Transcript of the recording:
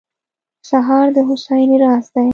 سهار د هوساینې راز دی.